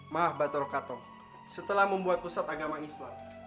mahabat rokatong setelah membuat pusat agama islam